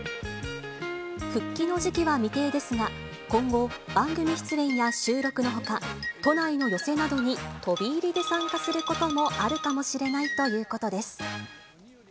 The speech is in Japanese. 復帰の時期は未定ですが、今後、番組出演や収録のほか、都内の寄席などに飛び入りで参加することもあるかもしれないということです。